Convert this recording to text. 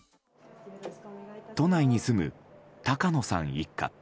都内に住む高野さん一家。